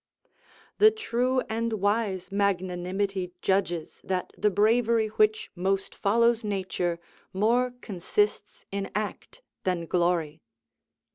["The true and wise magnanimity judges that the bravery which most follows nature more consists in act than glory."